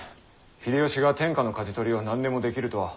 秀吉が天下のかじ取りを何年もできるとは思えん。